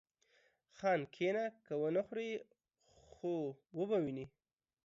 خان! کښينه که ونه خورو و خو به وينو.